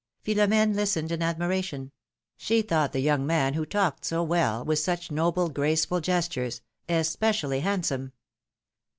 174 philom^:ne's marriages. Philora^ne listened in admiration ; she thought the young man who talked so well, with such noble, graceful gestures — especially handsome.